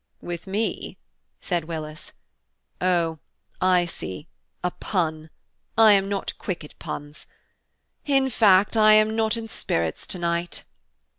"With me?" said Willis, "oh, I see; a pun–I am not quick at puns. In fact, I am not in spirits to night."